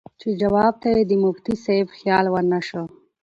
چې جواب ته ئې د مفتي صېب خيال ونۀ شۀ